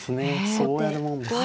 そうやるもんですか。